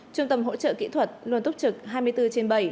trung tâm hỗ trợ kỹ thuật luôn túc trực hai mươi bốn trên bảy